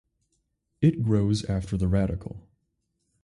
It grows after the radicle.